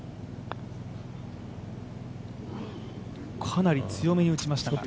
かなり強めに打ちましたか。